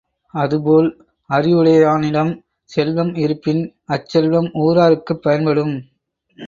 அதுபோல் அறிவுடையானிடம் செல்வம் இருப்பின் அச்செல்வம் ஊராருக்குப் பயன்படும்.